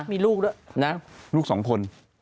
มีลูกด้วยนะลูกสองคน